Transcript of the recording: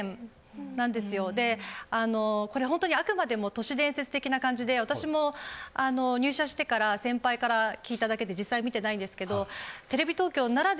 であのこれホントにあくまでも都市伝説的な感じで私も入社してから先輩から聞いただけで実際見てないんですけど。